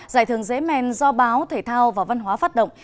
giải thưởng giấy mèn do báo thể thao và văn hóa phát động